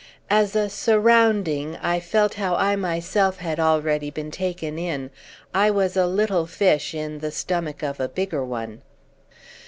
As a "surrounding" I felt how I myself had already been taken in; I was a little fish in the stomach of a bigger one.